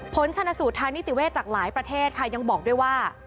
ผลชนสูตรทางนิติเวศจากหลายประเทศค่ะยังบอกด้วยว่า